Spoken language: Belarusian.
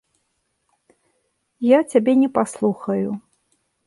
Я цябе не паслухаю.